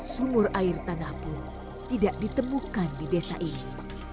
sumur air tanah pun tidak ditemukan di desa ini